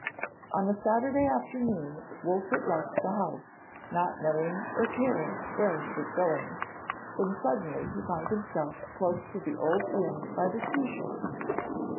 On a Saturday afternoon Wolfert left the house not knowing or caring where he was going, when suddenly he found himself close to the old inn by the sea shore.